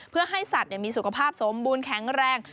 เพื่อให้สัตว์มีสุขภาพสมบูรณ์แข็งแรง